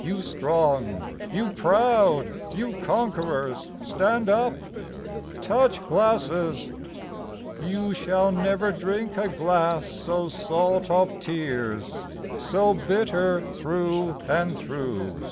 You strong, you proud, you conquerors — stand up! Touch glasses ! Tou shall never drink a glass So salt of tears, so bitter through and through.